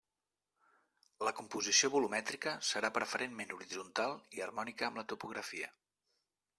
La composició volumètrica serà preferentment horitzontal i harmònica amb la topografia.